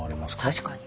確かに。